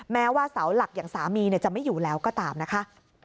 แม้ว่าเสาหลักอย่างสามีจะไม่อยู่แล้วก็ตามนะคะ